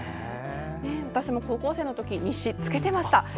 私も高校生のとき日誌つけていました。